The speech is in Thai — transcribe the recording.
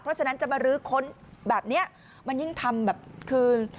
เพราะฉะนั้นจะมารื้อค้นแบบนี้มันยิ่งทำแบบคืน